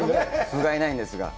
ふがいないんですが、